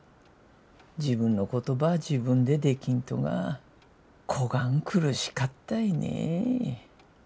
自分のことば自分でできんとがこがん苦しかったいね。